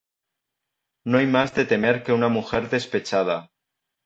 No hay mas de temer que una mujer despechada.